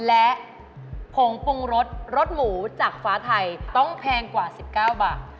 และผงปรุงรสรสหมูจากฟ้าไทยต้องแพงกว่า๑๙บาท